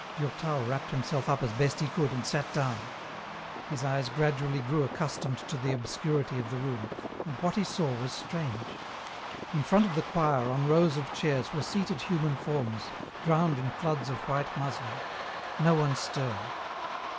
Durtal wrapped himself up as best he could and sat down. His eyes gradually grew accustomed to the obscurity of the room, and what he saw was strange ; in front of the choir on rows of chairs were seated human forms, drowned in floods of white muslin. No one stirred.